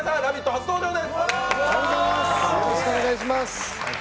初登場です。